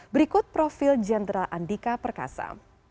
berikut profil jenderal andika perkasa